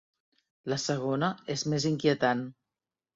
La segona és més inquietant.